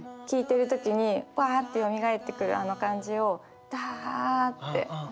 聴いてる時にパッてよみがえってくるあの感じをダッて。